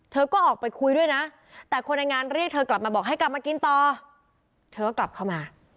เธอก็ออกไปคุยด้วยนะแต่คนในงานเรียกเธอกลับมาบอกให้กลับมากินต่อเธอก็กลับเข้ามา